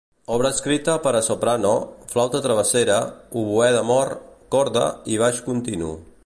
Obra escrita per a soprano, flauta travessera, oboè d’amor, corda i baix continu.